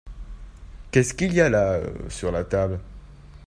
Qu'est-ce qu'il y a là sur la table ?